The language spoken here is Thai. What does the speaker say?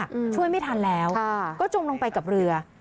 อืมช่วยไม่ทันแล้วก็จมลงไปกับเรือ